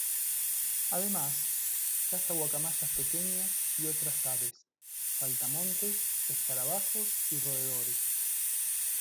Además, caza guacamayas pequeñas y otras aves, saltamontes, escarabajos y roedores.